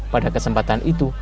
pada kesempatan itu